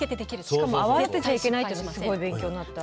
しかも泡立てちゃいけないっていうのすごい勉強になった。